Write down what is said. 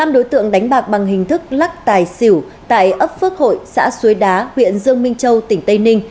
một mươi năm đối tượng đánh bạc bằng hình thức lắc tài xỉu tại ấp phước hội xã xuế đá huyện dương minh châu tỉnh tây ninh